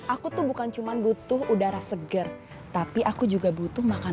aku tuh bukan cuma butuh udara segar tapi aku juga butuh makan